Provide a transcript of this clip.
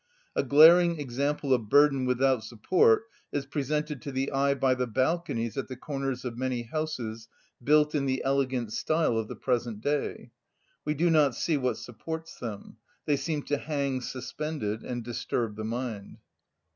A glaring example of burden without support is presented to the eye by the balconies at the corners of many houses built in the elegant style of the present day. We do not see what supports them; they seem to hang suspended, and disturb the mind.